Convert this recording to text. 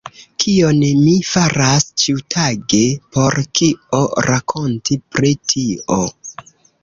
Kion mi faras ĉiutage; por kio rakonti pri tio!